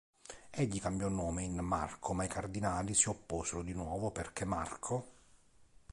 Egli cambiò nome in Marco ma i cardinali si opposero di nuovo perché "Marco!